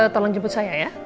tolong jemput saya ya